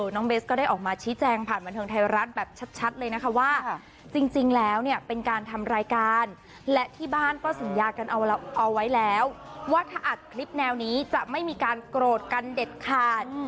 น้องเบสก็ได้ออกมาชี้แจงผ่านบันเทิงไทยรัฐแบบชัดเลยนะคะว่าจริงแล้วเนี่ยเป็นการทำรายการและที่บ้านก็สัญญากันเอาไว้แล้วว่าถ้าอัดคลิปแนวนี้จะไม่มีการโกรธกันเด็ดขาด